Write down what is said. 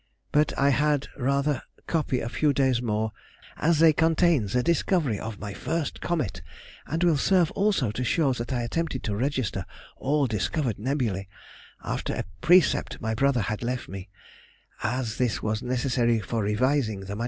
But I had rather copy a few days more, as they contain the discovery of my first comet, and will serve also to show that I attempted to register all discovered nebulæ, after a precept my brother had left me, as this was necessary for revising the MS.